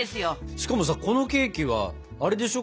しかもさこのケーキはあれでしょ。